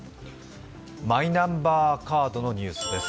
マイナンバーカードのニュースです。